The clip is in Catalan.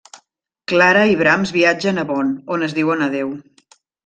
Clara i Brahms viatge a Bonn, on es diuen adéu.